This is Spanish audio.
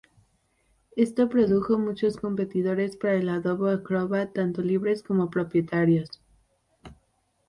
Esto produjo muchos competidores para el Adobe Acrobat, tanto libres como propietarios.